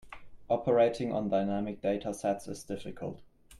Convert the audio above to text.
Operating on dynamic data sets is difficult.